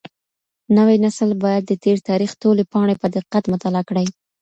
نوی نسل بايد د تېر تاريخ ټولې پاڼې په دقت مطالعه کړي.